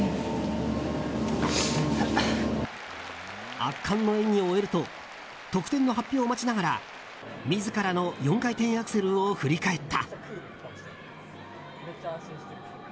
圧巻の演技を終えると得点の発表を待ちながら自らの４回転アクセルを振り返った。